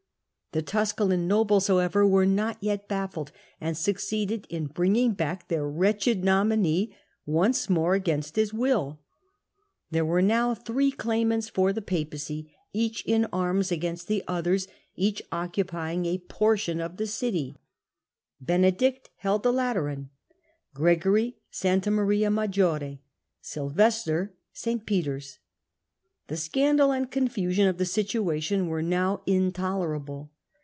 The Tusculan nobles, however, were not yet baffled, and succeeded in bringing back their wretched Three claim ^^0^^^^ ^^^ XQXst^ agaiust his wiU. There forthe ^®^®^^^ three claimants for the Papacy, each ^p«^ in arms against the others, each occupying a portion of the city ; Benedict held the Lateran, Gre gory Sta. Maria Maggiore, Sylvester St. Peter's. The scandal and confusion of the situation were now in tolerable.